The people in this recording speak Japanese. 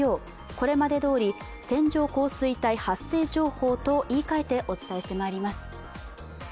これまでどおり、線状降水帯発生情報と言い換えてお伝えしてまいります。